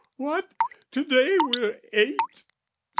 What, to day we're eight?